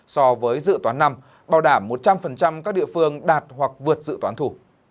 so với dự toán năm bảo đảm một trăm linh các địa phương đạt hoặc vượt dự toán thủ